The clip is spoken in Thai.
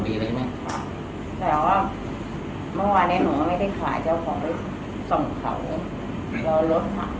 เมื่อวานเนี่ยหนูก็ไม่ได้ขาย